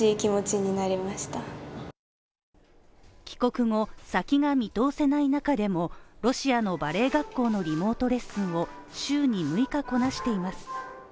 帰国後、先が見通せない中でもロシアのバレエ学校のリモートレッスンを週に６日こなしています。